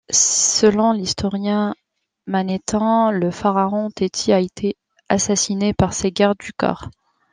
Selon l'historien Manéthon, le pharaon Téti a été assassiné par ses gardes du corps.